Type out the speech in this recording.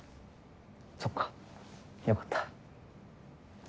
そっかよかった。